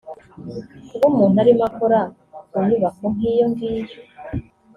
Kuba umuntu arimo akora ku nyubako nk’ iyo ngiyo